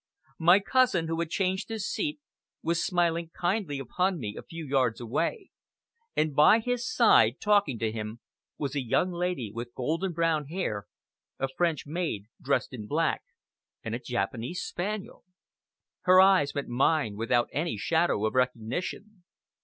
My cousin, who had changed his seat, was smiling kindly upon me a few yards away, and by his side, talking to him, was a young lady with golden brown hair, a French maid dressed in black, and a Japanese spaniel. Her eyes met mine without any shadow of recognition.